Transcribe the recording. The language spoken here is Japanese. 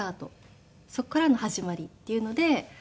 そこからの始まりっていうので。